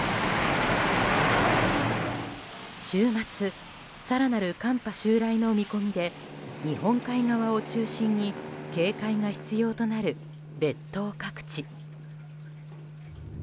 週末更なる寒波襲来の見込みで日本海側を中心に警戒が必要となる列島各地。